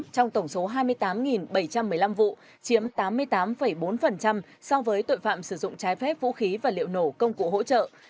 trong tổng số hai mươi tám bảy trăm một mươi năm vụ chiếm tám mươi tám bốn so với tội phạm sử dụng trái phép vũ khí và liệu nổ công cụ hỗ trợ